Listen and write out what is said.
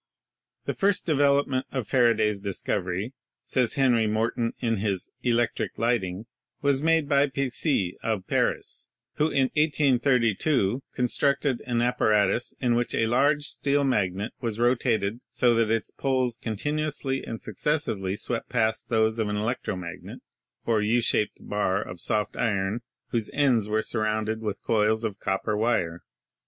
'The first development of Faraday's discovery," says Henry Morton in his 'Electric Lighting,' "was made by Pixii, of Paris, who in 1832 constructed an apparatus in which a large steel magnet was rotated so that its poles continuously and successively swept past those of an elec tro magnet, or U shaped bar of soft iron whose ends were surrounded with coils of copper wire.